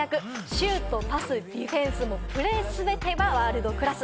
シュート、パス、ディフェンス、プレー全てがワールドクラス。